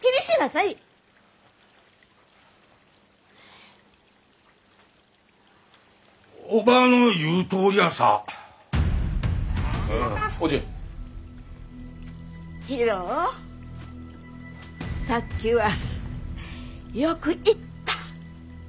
さっきはよく言った。